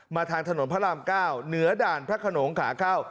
ทางถนนพระราม๙เหนือด่านพระขนงขาเข้า